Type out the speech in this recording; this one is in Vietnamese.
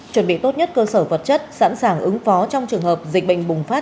chuẩn bị tốt nhất cơ sở vật chất sẵn sàng ứng phó trong trường hợp dịch bệnh bùng phát